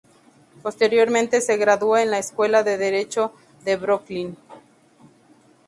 Posteriormente se graduó en la Escuela de Derecho de Brooklyn.